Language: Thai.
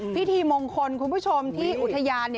พิธีมงคลคุณผู้ชมที่อุทยาน